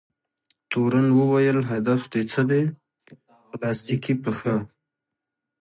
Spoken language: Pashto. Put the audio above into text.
تورن وویل: هدف دې څه دی؟ پلاستیکي پښه؟